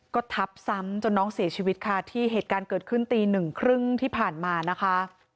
ก็ทับซ้ำจนน้องเสียชีวิตค่ะที่เหตุการณ์เกิดขึ้นตีหนึ่งครึ่งที่ผ่านมานะคะ